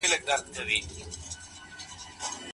نو باید په منظم ډول له خوړو واخلو.